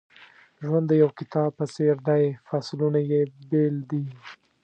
ژوند د یو کتاب په څېر دی فصلونه یې بېل دي.